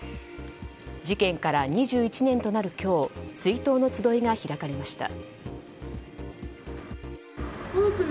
事件から２１年となる今日追悼の集いが開かれました。